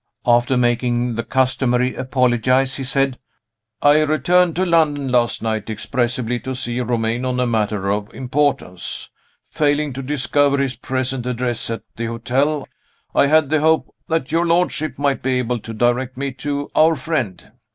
After making the customary apologies, he said: "I returned to London last night, expressly to see Romayne on a matter of importance. Failing to discover his present address at the hotel, I had the hope that your lordship might be able to direct me to our friend."